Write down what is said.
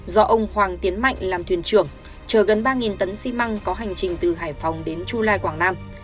do ông hoàng tiến mạnh làm thuyền trưởng chờ gần ba tấn xi măng có hành trình từ hải phòng đến chu lai quảng nam